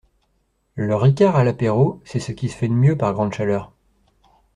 Le Ricard à l’apéro c’est ce qui se fait de mieux par grande chaleur.